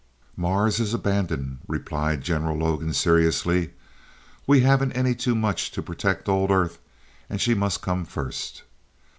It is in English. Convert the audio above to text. "Mars is abandoned," replied General Logan seriously. "We haven't any too much to protect old Earth, and she must come first.